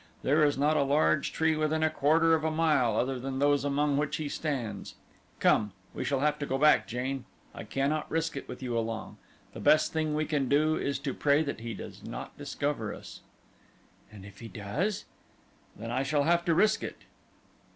There is not a large tree within a quarter of a mile, other than those among which he stands. Come, we shall have to go back, Jane; I cannot risk it with you along. The best we can do is to pray that he does not discover us." "And if he does?" "Then I shall have to risk it."